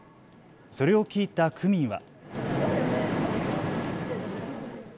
それを聞いた区民は。